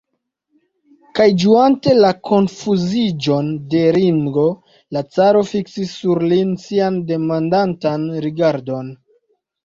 Kaj ĝuante la konfuziĝon de Ringo, la caro fiksis sur lin sian demandantan rigardon.